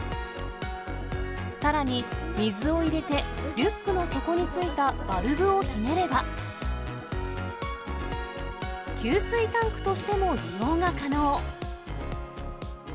さらに水を入れて、リュックの底についたバルブをひねれば、給水タンクとしても利用が可能。